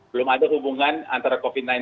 belum ada hubungan antara covid sembilan belas